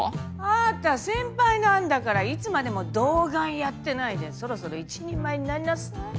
あなた先輩なんだからいつまでも童顔やってないでそろそろ一人前になりなさい。